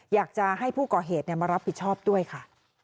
อยากจะให้ผู้ก่อเหตุมารับผิดชอบด้วยค่ะ